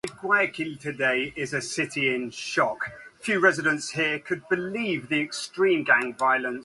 There were a lot of other factors involved in Air Florida's bankruptcy.